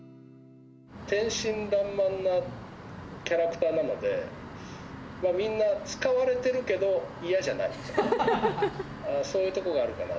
天真らんまんなキャラクターなので、みんな使われているけど、嫌じゃないみたいな。